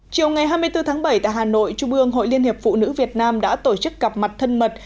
chiều ngày hai mươi bốn tháng bảy tại hà nội trung ương hội liên hiệp phụ nữ việt nam đã tổ chức gặp mặt thân mật